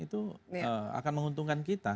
itu akan menguntungkan kita